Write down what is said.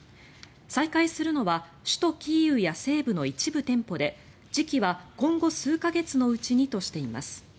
再開するのは首都キーウや西部の一部店舗で時期は今後数か月のうちにとしています。